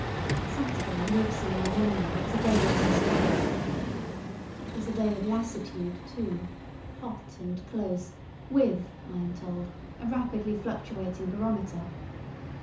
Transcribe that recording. Saturday lives in my memory as a day of suspense. It was a day of lassitude too, hot and close, with, I am told, a rapidly fluctuating barometer.